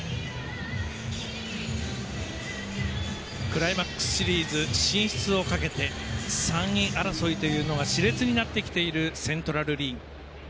クライマックスシリーズ進出をかけて３位争いというのがしれつになってきているセントラル・リーグ。